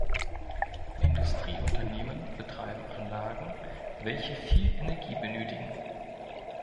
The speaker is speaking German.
Industrieunternehmen betreiben Anlagen, welche viel Energie benötigen.